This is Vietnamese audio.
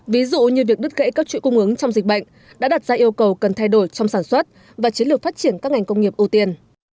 ví dụ như việc đứt gãy các trụi cung ứng trong dịch bệnh đã đặt ra yêu cầu cần thay đổi trong sản xuất và chiến lược phát triển các ngành công nghiệp ưu tiên